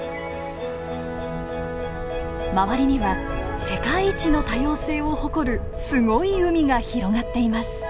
周りには世界一の多様性を誇るすごい海が広がっています。